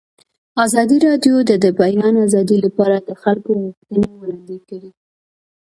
ازادي راډیو د د بیان آزادي لپاره د خلکو غوښتنې وړاندې کړي.